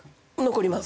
残ります。